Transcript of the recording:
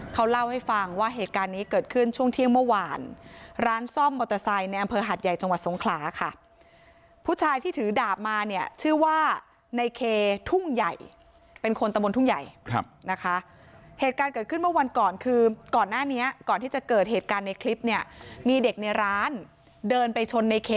เขาเล่าให้ฟังว่าเหตุการณ์นี้เกิดขึ้นช่วงเที่ยงเมื่อวานร้านซ่อมมัลตะไซย์ในเ